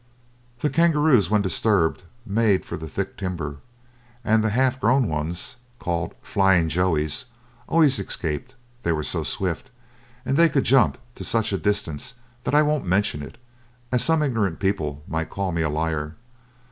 The kangaroos when disturbed made for the thick timber, and the half grown ones, called "Flying Joeys," always escaped; they were so swift, and they could jump to such a distance that I won't mention it, as some ignorant people might call me a liar.